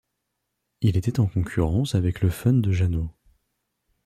Il était en concurrence avec le Fun de Jeanneau.